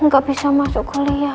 gak bisa masuk kuliah